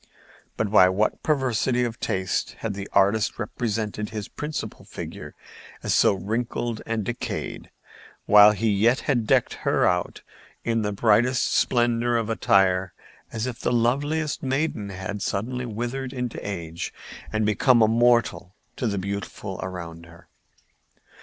But by what perversity of taste had the artist represented his principal figure as so wrinkled and decayed, while yet he had decked her out in the brightest splendor of attire, as if the loveliest maiden had suddenly withered into age and become a moral to the beautiful around her?